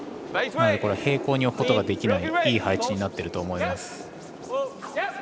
平行に置くことができないいい配置になってると思います。